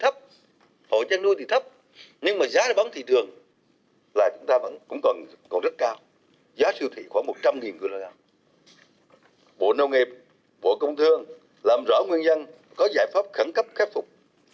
phương biện dân có giải pháp khẩn cấp khắc phục